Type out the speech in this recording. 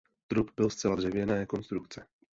Trup byl zcela dřevěné konstrukce.